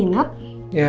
di sini ya